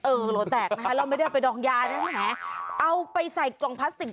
เออโหลแตกเราไม่ได้ไปดองยานะเอาไปใส่กล่องพลาสติกแบบนี้